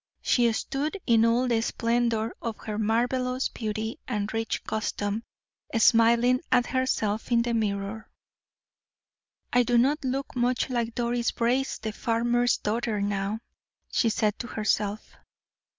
She stood in all the splendor of her marvelous beauty and rich costume, smiling at herself in the mirror. "I do not look much like Doris Brace, the farmer's daughter, now," she said to herself.